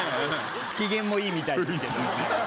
機嫌もいいみたいですけれどもね。